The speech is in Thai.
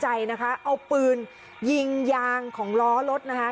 ใจนะคะเอาปืนยิงยางของล้อรถนะคะ